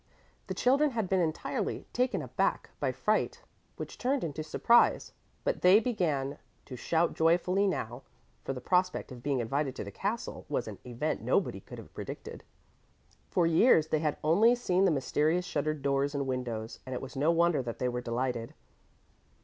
The children had been entirely taken aback by fright, which turned into surprise, but they began to shout joyfully now, for the prospect of being invited to the castle was an event nobody could have predicted. For years they had only seen the mysterious shuttered doors and windows, and it was no wonder that they were delighted.